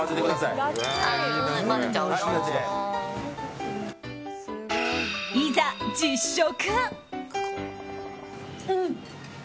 いざ、実食！